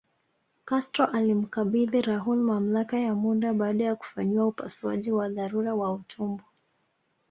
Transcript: Castro alimkabidhi Raul mamlaka ya muda baada ya kufanyiwa upasuaji wa dharura wa utumbo